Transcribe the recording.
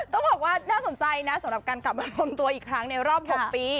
ต้องบอกว่าน่าสนใจนะสำหรับการกลับมารวมตัวอีกครั้งในรอบ๖ปี